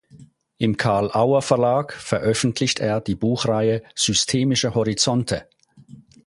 Im Carl-Auer-Verlag veröffentlicht er die Buchreihe "Systemische Horizonte.